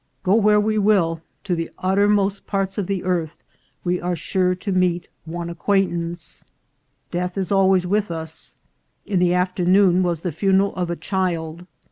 Go where we will, to the uttermost parts of the earth, we are sure to meet one acquaintance. Death is al ways with us. In the afternoon was the funeral of a child.